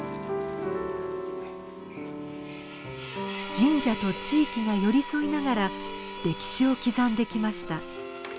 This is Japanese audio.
神社と地域が寄り添いながら歴史を刻んできました。